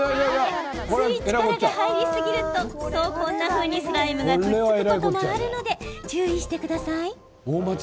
つい力が入りすぎるとスライムがくっつくこともあるので注意してください。